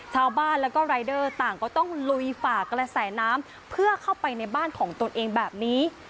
ชาวบ้านแล้วก็รายเดอร์ต่างก็ต้องลุยฝากระแสน้ำเพื่อเข้าไปในบ้านของตนเองแบบนี้